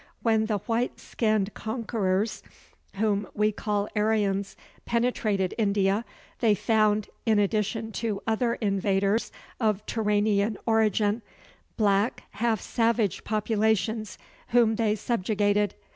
When the white skinned conquerors, whom we call Aryans, penetrated India, they found, in addition to other invaders of Turanian origin, black, half savage populations whom they subjugated.